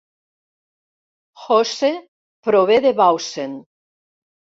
Jose prové de Bausen